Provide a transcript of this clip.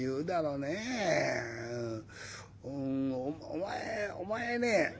お前お前ね